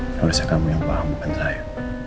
tidak bisa kamu yang paham bukan saya